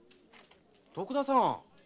徳田さん！